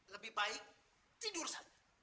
lebih baik tidur saja